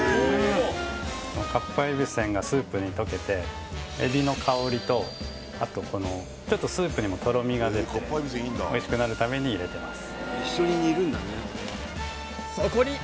かっぱえびせんがスープに溶けて海老の香りとあとこのちょっとスープにもとろみが出ておいしくなるために入れてます